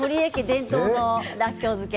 伝統のらっきょう漬け。